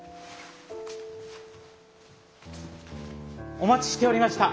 お待ちしておりました。